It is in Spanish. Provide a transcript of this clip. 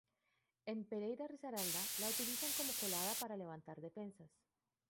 En Pereira Risaralda la utilizan como colada para levantar defensas.